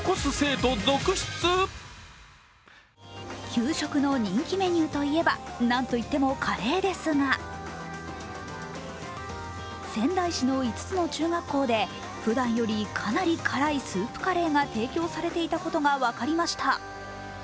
給食の人気メニューといえば、なんといってもカレーですが仙台市の５つの中学校で、ふだんよりかなり辛いスープカレーが提供されていたことが分かりました。